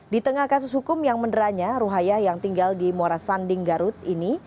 di tengah kasus hukum yang menderanya ruhaya yang tinggal di muara sanding garut ini